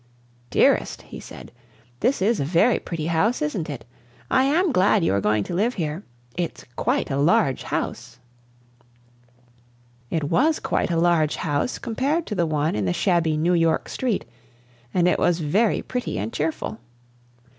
"Dearest," he said, "this is a very pretty house, isn't it? I am glad you are going to live here. It's quite a large house." It was quite a large house compared to the one in the shabby New York street, and it was very pretty and cheerful.